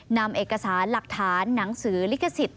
นำเอกสารหลักฐานหนังสือลิขสิทธิ